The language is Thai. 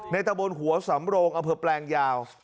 ในตะบนหัวสำโรงอเผิดแปลงยาว